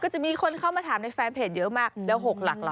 ก็จะจะมีคนเข้ามาถามในฟีนชื่อเยอะมากเดี๋ยวหกหลักล่ะ